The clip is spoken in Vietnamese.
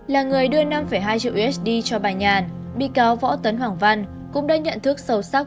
là người đưa năm hai triệu usd cho bà nhàn bị cáo võ tấn hoàng văn cũng đã nhận thức sâu sắc